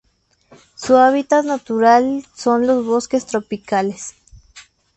Su hábitat natural son los bosques tropicales.